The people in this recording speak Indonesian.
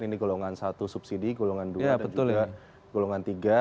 ini golongan satu subsidi golongan dua dan juga golongan tiga